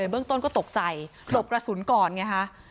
เบื้องต้นก็ตกใจหลบกระสุนก่อนไงคะ